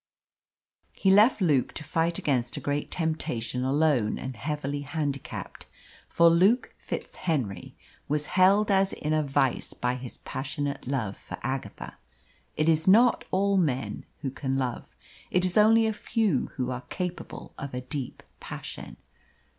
He left Luke to fight against a great temptation alone and heavily handicapped, for Luke FitzHenry was held as in a vice by his passionate love for Agatha. It is not all men who can love. It is only a few who are capable of a deep passion.